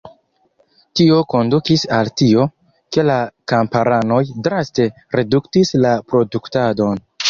Tio kondukis al tio, ke la kamparanoj draste reduktis la produktadon.